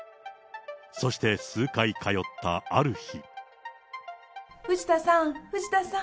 そして数回通ったある日。